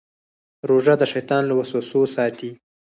روژه د شیطان له وسوسو ساتي.